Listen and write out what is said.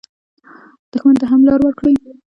دښمن ته هم لار ورکړئ